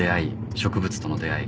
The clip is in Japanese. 植物との出合い。